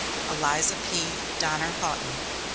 ELIZA P. DONNER HOUGHTON.